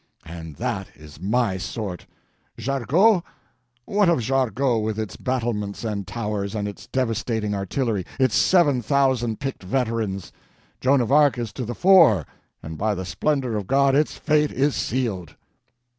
And that is my sort! Jargeau? What of Jargeau, with its battlements and towers, its devastating artillery, its seven thousand picked veterans? Joan of Arc is to the fore, and by the splendor of God its fate is sealed!"